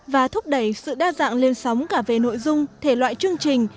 và thúc đẩy sự đa dạng lên sóng cả về nội dung thể loại chương trình